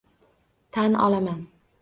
Tan olaman.